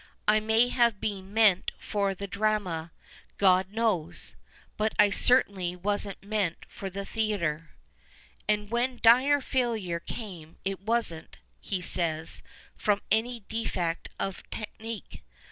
I may have been meant for the Drama — God knows !— btit I certainly wasn't meant for the Theatre." And when dire failure came, it wasn't, he says, from any defect of tech nique.